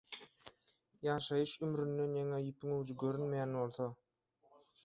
Ýaşaýyş ümründen ýaňa ýüpüň ujy görünmeýän bolsa.